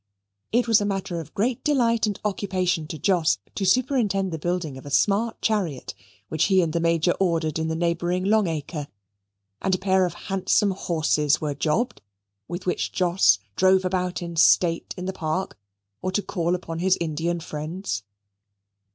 It was a matter of great delight and occupation to Jos to superintend the building of a smart chariot which he and the Major ordered in the neighbouring Long Acre: and a pair of handsome horses were jobbed, with which Jos drove about in state in the park, or to call upon his Indian friends.